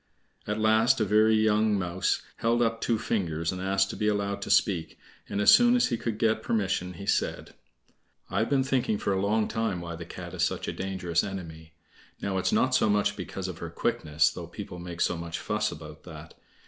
At last a very young mouse held up two fingers and asked to be allowed to speak, and as soon as he could get permission he said: "I've been thinking for a long time why the Cat is such a dangerous enemy. Now, it's not so much because of her quickness, though people make so much fuss about that.